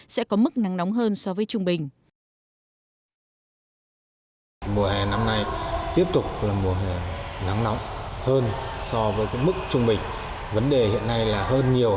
sẽ có mức nắng nóng hơn so với trung bình